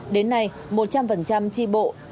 đến nay một trăm linh tri bộ